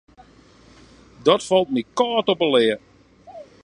Dat falt my kâld op 'e lea.